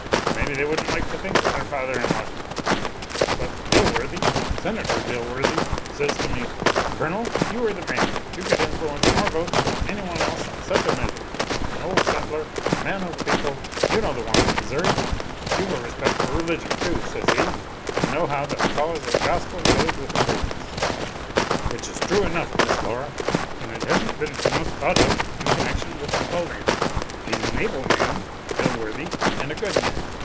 Maybe they wouldn't like to think of their father in Washington. But Dilworthy, Senator Dilworthy, says to me, 'Colonel, you are the man, you could influence more votes than any one else on such a measure, an old settler, a man of the people, you know the wants of Missouri; you've a respect for religion too, says he, and know how the cause of the gospel goes with improvements: Which is true enough, Miss Laura, and hasn't been enough thought of in connection with Napoleon. He's an able man, Dilworthy, and a good man.